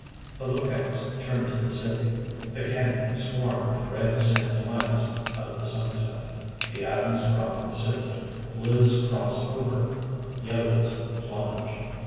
The lookouts turn to the city. The canyons swarm with red sand lights of the sunset. The atoms drop and sift, blues cross over, yellows plunge.